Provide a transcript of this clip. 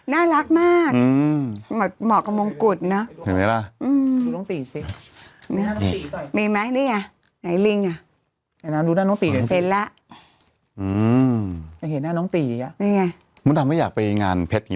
น่ารักมากเหมาะกับมงกุฎนะ